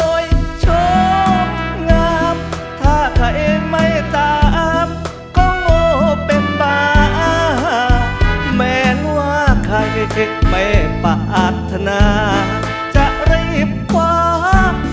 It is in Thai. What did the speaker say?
โอ้ยชมงามถ้าใครไม่ตามก็โง่เป็นบ้าแม้นว่าใครไม่ปรารถนาจะรีบกว้าง